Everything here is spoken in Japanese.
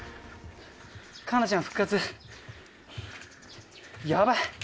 佳菜ちゃん復活ヤバい。